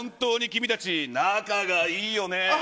君たち本当に仲がいいよね。